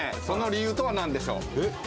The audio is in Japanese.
その理由とは何でしょう？